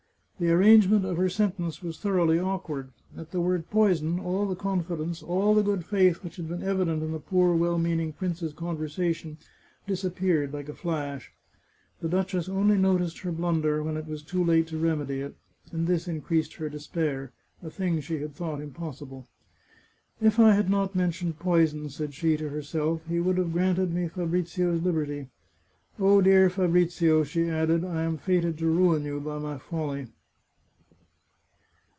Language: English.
" The arrangement of her sentence was thoroughly awkward. At the word poison all the con fidence, all the good faith which had been evident in the poor, well meaning prince's conversation, disappeared like a flash. The duchess only noticed her blunder when it was too late to remedy it, and this increased her despair — a thing she had thought impossible. " If I had not mentioned poison," said she to herself, " he would have granted me Fa brizio's liberty. Oh, dear Fabrizio," she added, " I am fated to ruin you by my folly